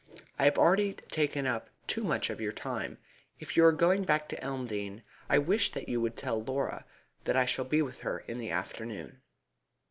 I have already taken up too much of your time. If you are going back to Elmdene I wish that you would tell Laura that I shall be with her in the afternoon."